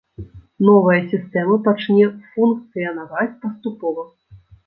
Новая сістэма пачне функцыянаваць паступова.